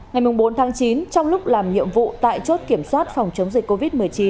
ngày bốn tháng chín trong lúc làm nhiệm vụ tại chốt kiểm soát phòng chống dịch covid một mươi chín